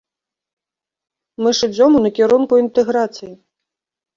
Мы ж ідзём у накірунку інтэграцыі!